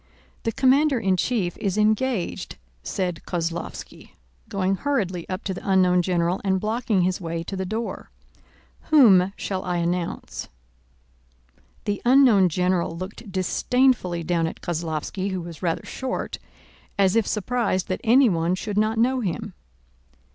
"The commander in chief is engaged," said Kozlóvski, going hurriedly up to the unknown general and blocking his way to the door. "Whom shall I announce?" The unknown general looked disdainfully down at Kozlóvski, who was rather short, as if surprised that anyone should not know him.